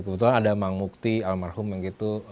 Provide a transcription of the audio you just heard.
kebetulan ada mang mukti almarhum yang gitu